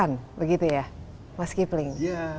mengenai apa sih sebenarnya asing karawitan indonesia